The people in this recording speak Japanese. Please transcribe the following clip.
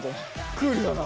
クールだな。